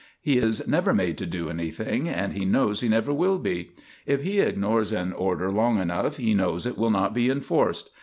' He is never made to do anything and he knows he never will be. If he ignores an order long enough he knows it will not be enforced.